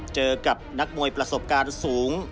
เจอกับนักมวยประสบการณ์สูง